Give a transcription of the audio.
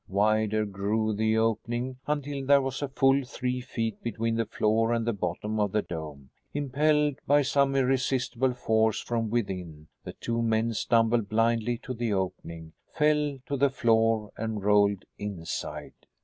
Wider grew the opening until there was a full three feet between the floor and the bottom of the dome. Impelled by some irresistible force from within, the two men stumbled blindly to the opening, fell to the floor and rolled inside.